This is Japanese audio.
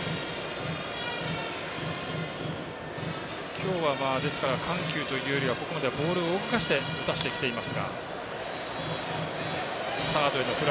今日は、緩急というよりはここまではボールを動かして打たせてきています。